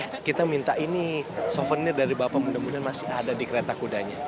eh kita minta ini souvenir dari bapak muda mudian masih ada di kereta kudanya